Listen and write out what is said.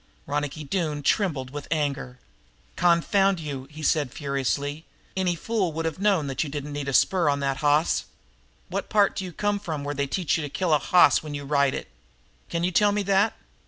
Ronicky Doone trembled with anger. "Confound you!" he said furiously. "Any fool would have known that you didn't need a spur on that hoss! What part d'you come from where they teach you to kill a hoss when you ride it? Can you tell me that?"